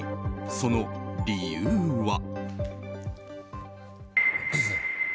その理由は。